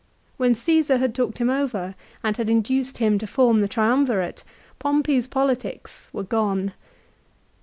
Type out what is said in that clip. When Csesar had talked him over, and had induced him to form the Trium virate, Pompey's politics were gone.